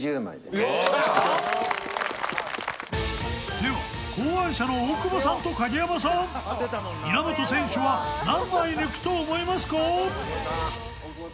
では、考案者の大久保さんと影山さん、稲本選手は何枚抜くと思いますか？